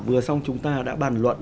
vừa xong chúng ta đã bàn luận